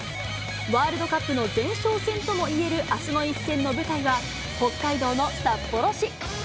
ワールドカップの前哨戦ともいえるあすの一戦の舞台は、北海道の札幌市。